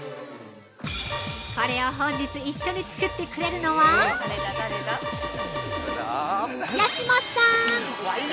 これを本日一緒に作ってくれるのは八嶋さん！